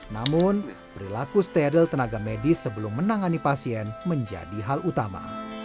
namun perilaku steril tenaga medis sebelum menangani pasien menjadi hal utama